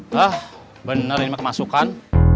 hah bener ini kemasukan